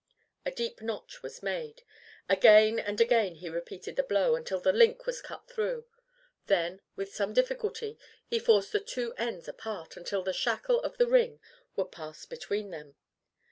A deep notch was made; again and again he repeated the blow, until the link was cut through, then, with some difficulty, he forced the two ends apart until the shackle of the ring would pass between them.